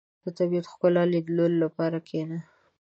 • د طبیعت د ښکلا لیدلو لپاره کښېنه.